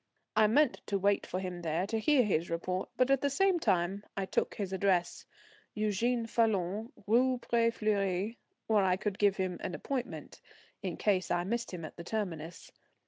I meant to wait for him there to hear his report, but at the same time I took his address Eugène Falloon, Rue Pré Fleuri where I could give him an appointment in case I missed him at the terminus.